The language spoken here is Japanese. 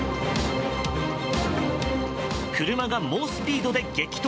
車が猛スピードで激突。